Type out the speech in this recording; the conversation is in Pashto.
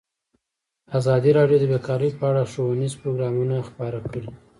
ازادي راډیو د بیکاري په اړه ښوونیز پروګرامونه خپاره کړي.